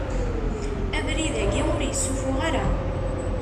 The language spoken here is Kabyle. Abrid agi ur yessufuɣ ara.